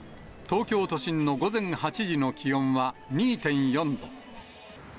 東京都心の午前８時の気温は２．４度。